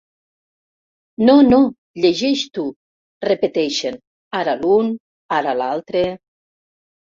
No, no, llegeix tu —repeteixen, ara l'un, ara l'altre—.